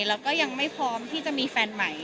แล้วก็ยังไม่พร้อมที่จะมีแฟนใหม่